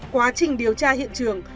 quá trình điều tra hiện trường